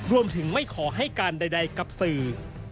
รวมถึงไม่ขอให้การใดกับสื่อ